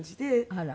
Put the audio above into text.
あら。